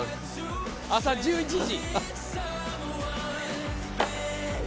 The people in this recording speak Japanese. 朝１１時！